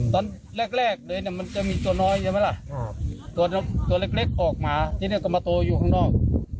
ตอนแรกเลยมันจะมีตัวน้อยตัวเล็กออกมาที่ตในกัมมะโตอยู่ข้างนอก